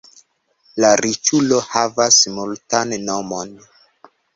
La riĉulo havas multan monon.